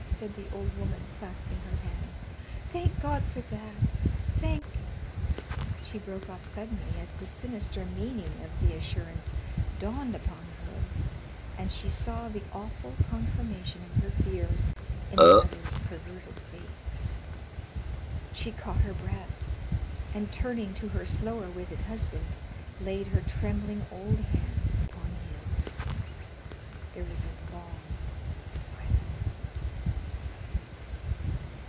said the old woman, clasping her hands. "Thank God for that! Thank " She broke off suddenly as the sinister meaning of the assurance dawned upon her and she saw the awful confirmation of her fears in the other's averted face. She caught her breath, and turning to her slower witted husband, laid her trembling old hand upon his. There was a long silence.